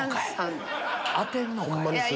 当てんのかい！